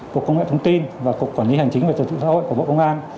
cục công nghệ thông tin và cục quản lý hành chính về tổ chức xã hội của bộ công an